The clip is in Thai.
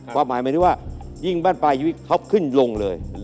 ความหมายหมายถึงว่ายิ่งบ้านปลายชีวิตเขาขึ้นลงเลย